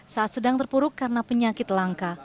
saat sedang terpuruk karena penyakit langka